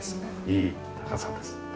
いい高さです。